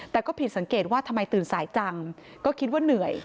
แต่ก็ผิดสังเกตว่าทำไมตื่นสายจังก็คิดว่าเหนื่อย